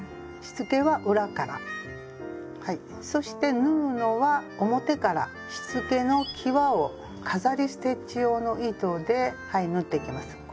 しつけは裏からはいそして縫うのは表からしつけのきわを飾りステッチ用の糸で縫っていきます。